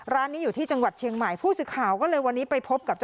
ร้านนี้อยู่ที่จังหวัดเชียงใหม่ผู้สื่อข่าวก็เลยวันนี้ไปพบกับ